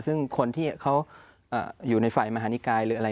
ซึ่งคนที่เขาอยู่ในฝ่ายมหานิกายหรืออะไร